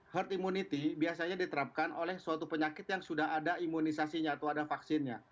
herd immunity biasanya diterapkan oleh suatu penyakit yang sudah ada imunisasinya atau ada vaksinnya